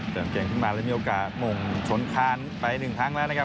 เป็นเล่นเก่งขึ้นมายังมีโอกาสโมงชนคาไปหนึ่งทั้งละนะครับ